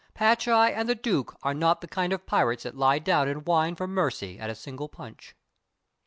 Patch Eye and the Duke are not the kind of pirates that lie down and whine for mercy at a single punch.